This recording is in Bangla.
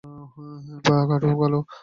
পা খাটো ও কালো।